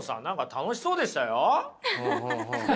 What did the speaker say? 楽しそうでした？